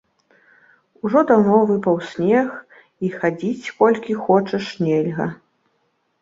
Ужо даўно выпаў снег, і хадзіць колькі хочаш, нельга.